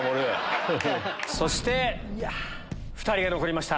そして２人が残りました。